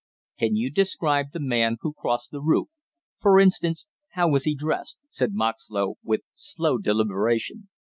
"Can you describe the man who crossed the roof, for instance, how was he dressed?" said Moxlow, with slow deliberation.